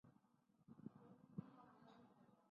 而台湾由爱胜游戏代理发行。